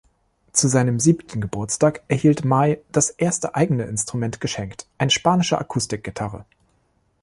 Zu seinem siebten Geburtstag erhielt May das erste eigene Instrument geschenkt, eine spanische Akustikgitarre.